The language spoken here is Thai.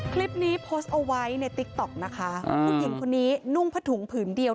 คลิปนี้โพสต์เอาไว้ในติ๊กต๊อกนะคะผู้หญิงคนนี้นุ่งผ้าถุงผืนเดียว